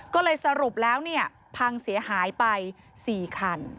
ก็เลยสรุปแล้วพังเสียหายไป๔คัน